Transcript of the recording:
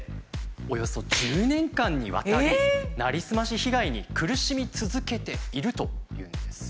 およそ１０年間にわたりなりすまし被害に苦しみ続けているというんです。